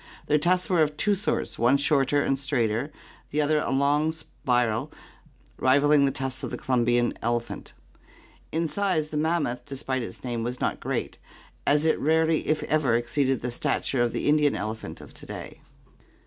Their tusks were of two sorts, one shorter and straighter, the other a long spiral rivalling the tusks of the Columbian elephant. In size the mammoth, despite its name, was not great, as it rarely if ever exceeded the stature of the Indian elephant of to day.